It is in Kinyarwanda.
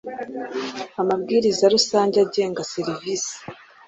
Amabwiriza rusange agenga serivisi